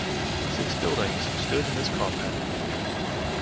Six buildings stood in this compound.